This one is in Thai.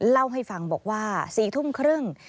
เล่าให้ฟังบอกว่า๔ทุ่มครึ่ง